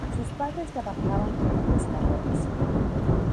Sus padres trabajaban como pescadores.